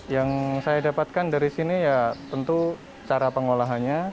yang saya dapatkan dari sini ya tentu cara pengolahannya